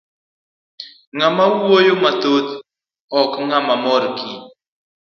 Ng'ama wuoyo mathoth ok nang' mor kich.